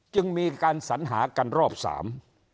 จึงมีการสัญหากันรอบสาม